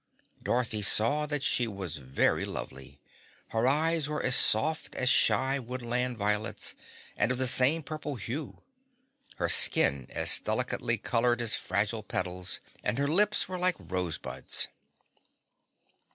Dorothy saw that she was very lovely. Her eyes were as soft as shy woodland violets, and of the same purple hue; her skin as delicately colored as fragile petals, and her lips were like rosebuds.